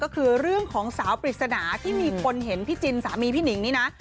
ก็คือเรื่องของสาวปริศนาที่มีคนเห็นพี่จินสามีพี่หนิงนี่นะ